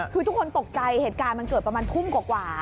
คือทุกคนตกใจเหตุการณ์มันเกิดประมาณทุ่มกว่า